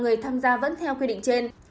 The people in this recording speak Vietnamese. người tham gia vẫn theo quy định trên